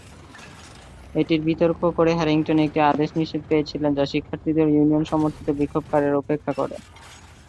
এটির বিতর্ক করে, হ্যারিংটন একটি আদেশ নিষেধ পেয়েছিলেন যা শিক্ষার্থীদের ইউনিয়ন সমর্থিত বিক্ষোভকারীরা উপেক্ষা করে।